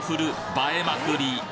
映えまくり！